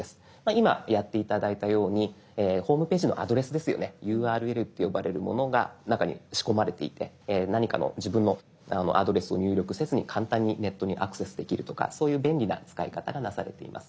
今やって頂いたようにホームページのアドレスですよね「ＵＲＬ」って呼ばれるものが中に仕込まれていて何かの自分のアドレスを入力せずに簡単にネットにアクセスできるとかそういう便利な使い方がなされています。